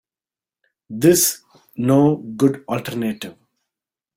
This no good alternative.